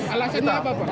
alasannya apa pak